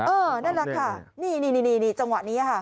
นั่นแหละค่ะนี่จังหวะนี้ค่ะ